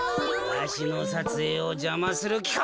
わしのさつえいをじゃまするきか！？